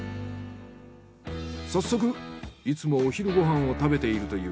早速いつもお昼ご飯を食べているという。